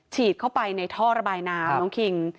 ฉีดเข้าไปในท่อระบายน้ำน้องคิง